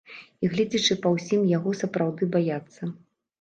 І, гледзячы па ўсім, яго сапраўды баяцца.